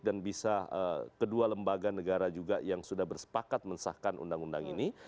dan bisa kedua lembaga negara juga yang sudah bersepakat mensahkan undang undang ini